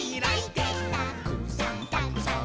「たくさんたくさん」